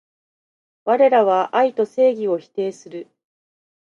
われらは愛と正義を否定する